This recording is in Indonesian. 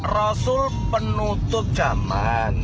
rasul penutup zaman